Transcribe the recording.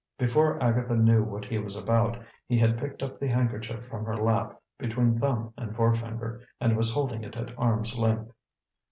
Before Agatha knew what he was about, he had picked up the handkerchief from her lap between thumb and forefinger, and was holding it at arm's length.